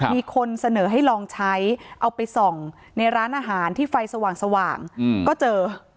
มีคนเสนอให้ลองใช้เอาไปส่องในร้านอาหารที่ไฟสว่างก็เจอ